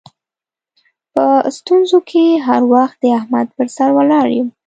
په ستونزو کې هر وخت د احمد پر سر ولاړ یم.